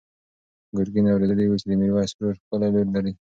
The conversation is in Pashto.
ګرګین اورېدلي وو چې د میرویس ورور ښکلې لور لري.